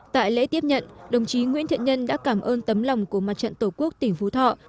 tại lễ tiếp nhận đồng chí nguyễn thiện nhân đã cảm ơn tấm lòng của mặt trận tổ quốc tỉnh phú thọ